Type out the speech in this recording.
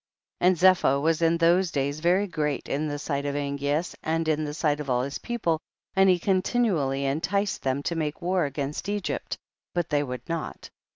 And Zepho was in those days very great in the sight of Angcas and in the sigiit of all his people, and he continually enticed iheni to make war against Egypt, but they would not.